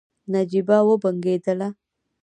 نجيبه وبنګېدله.